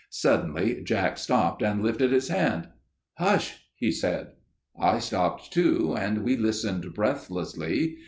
Suddenly Jack stopped and lifted his hand. "'Hush!' he said. "I stopped too, and we listened breathlessly.